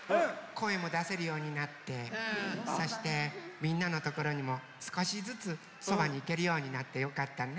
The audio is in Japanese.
こえもだせるようになってそしてみんなのところにもすこしずつそばにいけるようになってよかったね。